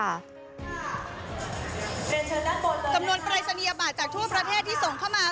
จำนวนปรายศนียบัตรจากทั่วประเทศที่ส่งเข้ามา